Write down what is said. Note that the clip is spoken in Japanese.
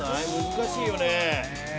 難しいよね。